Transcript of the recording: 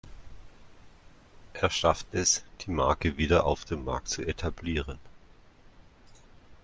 Er schafft es, die Marke wieder auf dem Markt zu etablieren.